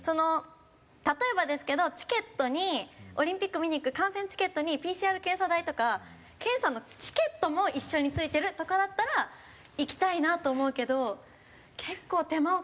例えばですけどチケットにオリンピック見に行く観戦チケットにＰＣＲ検査代とか検査のチケットも一緒に付いてるとかだったら行きたいなと思うけど結構手間をかけてまで。